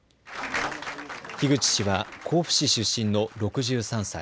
樋口氏は甲府市出身の６３歳。